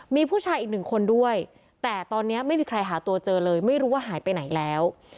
มีผู้ชายอีกหนึ่งคนด้วยแต่ตอนนี้ไม่มีใครหาตัวเจอเลยไม่รู้ว่าหายไปไหนแล้ว